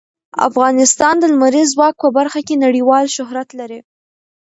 افغانستان د لمریز ځواک په برخه کې نړیوال شهرت لري.